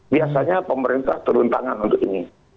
biasanya pemerintah turun tangan untuk ini